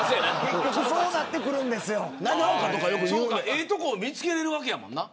ええ所見つけられるわけやもんな。